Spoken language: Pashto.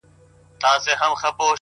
o ستا د ښايستې خولې ښايستې خبري ـ